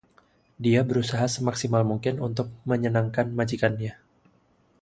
Dia berusaha semaksimal mungkin untuk menyenangkan majikannya.